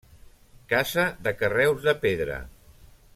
Casa de carreus de pedra.